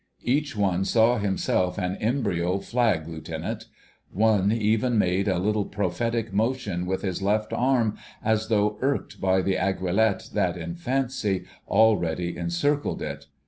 Each one saw himself an embryo Flag Lieutenant.... One even made a little prophetic motion with his left arm, as though irked by the aiguilette that in fancy already encircled it.